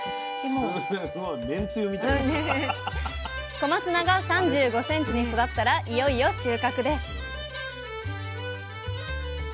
小松菜が３５ｃｍに育ったらいよいよ収穫です